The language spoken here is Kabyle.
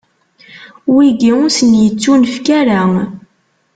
Wigi, ur sen-ittunefk ara.